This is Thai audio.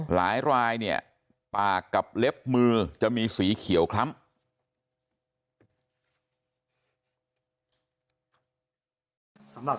หลายรายเนี่ยปากกับเล็บมือจะมีสีเขียวคล้ำ